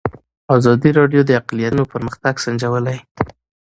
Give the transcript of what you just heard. ازادي راډیو د اقلیتونه پرمختګ سنجولی.